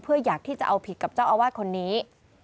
เพื่ออยากที่จะเอาผิดกับเจ้าอาวาสคนนี้